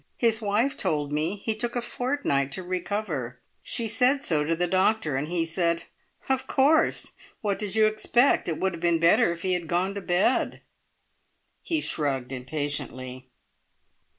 His wife told me he took a fortnight to recover. She said so to the doctor, and he said, `Of course! What did you expect? It would have been better if he had gone to bed.'" He shrugged impatiently.